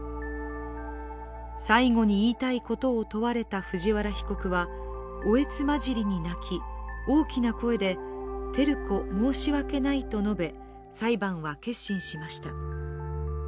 最後に言いたいことを問われた藤原被告は、おえつ交じりに泣き大きな声で「照子、申し訳ない」と述べ、裁判は結審しました。